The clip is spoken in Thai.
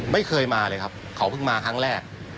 ไม่เคยมาเลยครับเขาเพิ่งมาครั้งแรก